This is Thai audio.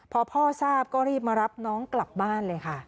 พอพ่อทราบก็รีบมารับน้องกลับบ้านเลยค่ะ